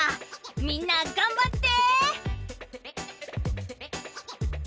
みんながんばって！